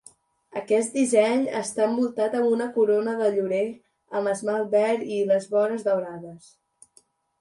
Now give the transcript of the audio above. Aquest disseny està envoltat amb una corona de llorer amb esmalt verd i les vores daurades.